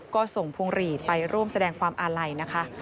ก็ส่งพวงหลีดไปร่วมแสดงความอาลัยนะคะ